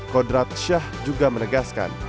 kodrat syah juga menegaskan